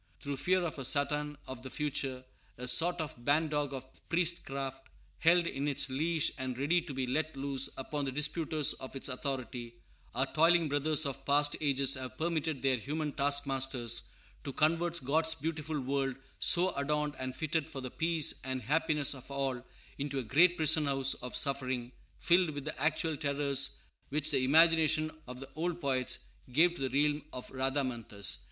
Through fear of a Satan of the future, a sort of ban dog of priestcraft, held in its leash and ready to be let loose upon the disputers of its authority, our toiling brothers of past ages have permitted their human taskmasters to convert God's beautiful world, so adorned and fitted for the peace and happiness of all, into a great prison house of suffering, filled with the actual terrors which the imagination of the old poets gave to the realm of Rhadamanthus.